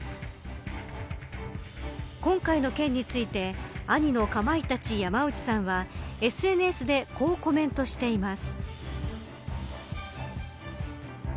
今回の件について兄のかまいたち山内さんはＳＮＳでこうコメントしています。